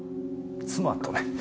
妻とね。